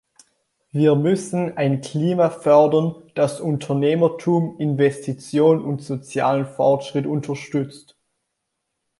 Wir müssen ein Klima fördern, das Unternehmertum, Investition und sozialen Fortschritt unterstützt.